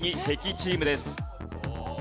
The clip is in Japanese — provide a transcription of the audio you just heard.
敵チームです。